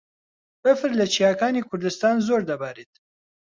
بەفر لە چیاکانی کوردستان زۆر دەبارێت.